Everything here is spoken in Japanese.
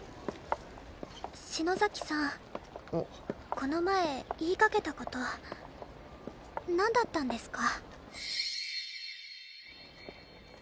この前言いかけた事なんだったんですか？